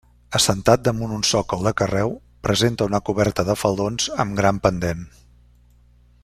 Assentat damunt un sòcol de carreu, presenta una coberta de faldons amb gran pendent.